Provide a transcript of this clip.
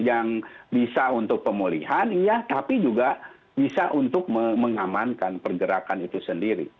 yang bisa untuk pemulihan iya tapi juga bisa untuk mengamankan pergerakan itu sendiri